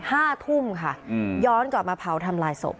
ห้าทุ่มค่ะอืมย้อนกลับมาเผาทำลายศพ